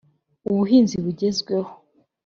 ubuhinzi bugezweho